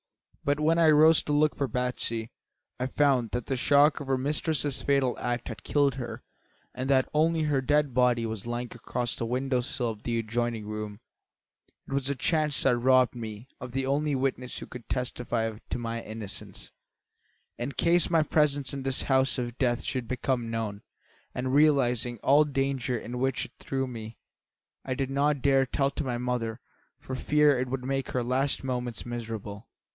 But when I rose to look for Batsy I found that the shock of her mistress's fatal act had killed her and that only her dead body was lying across the window sill of the adjoining room. It was a chance that robbed me of the only witness who could testify to my innocence, in case my presence in this house of death should become known, and realising all the danger in which it threw me, I did not dare to tell my mother, for fear it would make her last moments miserable.